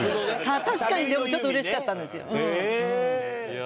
確かにでもちょっとうれしかったんですよ。